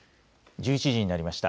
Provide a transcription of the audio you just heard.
１１時になりました。